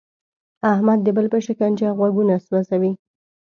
احمد د بل په شکنه غوږونه سوزي.